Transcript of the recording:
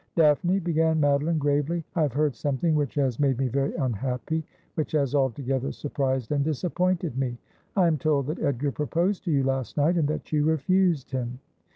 ' Daphne,' began Madeline gravely, ' I have heard something which has made me very unhappy ; which has altogether sur prised and disappointed me. I am told that Edgar proposed to you last night, and that you refused him.'